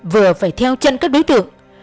vừa phải theo chân các đối tượng